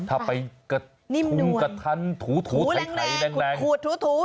ถ้าไปถูกกะทันถูไถ่แรงถูแรงหูด